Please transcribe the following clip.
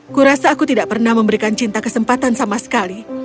kurasa aku tidak pernah memberikan cinta kesempatan sama sekali